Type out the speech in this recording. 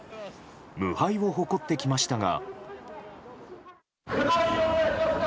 無敗を誇ってきましたが。